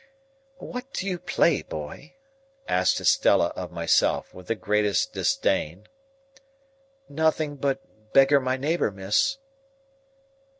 "What do you play, boy?" asked Estella of myself, with the greatest disdain. "Nothing but beggar my neighbour, miss."